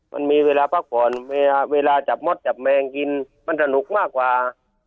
มันมีเวลาพักผ่อนเวลาจับมดจับแมงกินมันสนุกมากกว่า